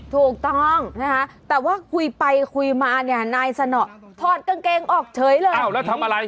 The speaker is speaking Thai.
ถูกต้องแต่ว่าคุยไปคุยมาเนี่ยนายสนองถอดกางเกงออกเฉยเลย